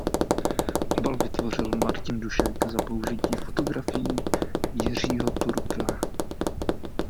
Obal vytvořil Martin Dušek za použití fotografií Jiřího Turka.